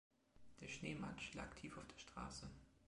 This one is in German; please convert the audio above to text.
Der Schneematsch lag tief auf der Straße.